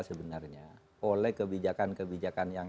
sebenarnya oleh kebijakan kebijakan yang